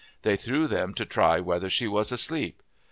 They threw them to try whether she was asleep.